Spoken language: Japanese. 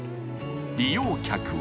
利用客は